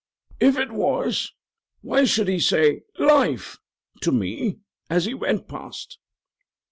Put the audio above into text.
"If it was, why should he say 'LIFE' to me as he went past?"